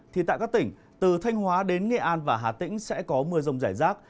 thì tại các tỉnh từ thanh hóa đến nghệ an và hà tĩnh sẽ có mưa rông rải rác